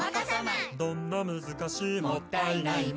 「どんな難しいもったいないも」